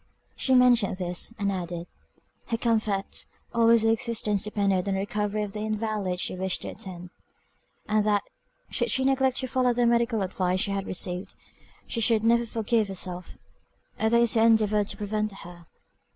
She mentioned this, and added, "Her comfort, almost her existence, depended on the recovery of the invalid she wished to attend; and that should she neglect to follow the medical advice she had received, she should never forgive herself, or those who endeavoured to prevent her."